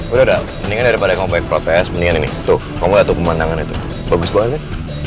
udah dah mendingan daripada kamu baik protes mendingan ini tuh kamu gak tau pemandangan itu bagus banget ya